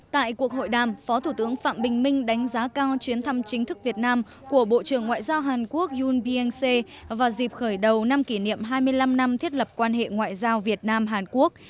tại cuộc hội đàm phó thủ tướng phạm bình minh đánh giá cao chuyến thăm chính thức việt nam của bộ trưởng ngoại giao hàn quốc yun biense vào dịp khởi đầu năm kỷ niệm hai mươi năm năm thiết lập quan hệ ngoại giao việt nam hàn quốc